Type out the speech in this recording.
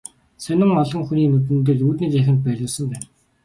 Сонин олон хүний нүдэн дээр үүдний танхимд байрлуулсан байна.